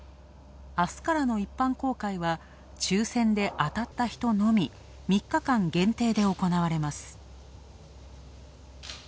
あすからの一般公開は抽選で当たった人のみ、３日間限定で行われます。